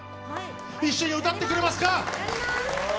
一緒に歌ってくれますか？